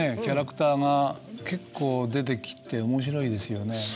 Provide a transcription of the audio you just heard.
キャラクターが結構出てきて面白いですよね。